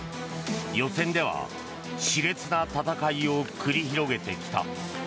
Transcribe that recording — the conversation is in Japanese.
予選では熾烈な戦いを繰り広げてきた。